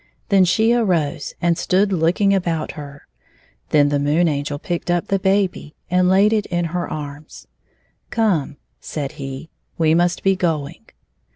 Then she arose and stood looking about her. The Moon Angel picked up the baby and laid it in her arms. " Come," said he, " we must be going."